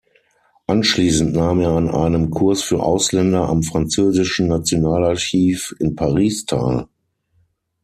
Anschließend nahm er an einem Kurs für Ausländer am Französischen Nationalarchiv in Paris teil.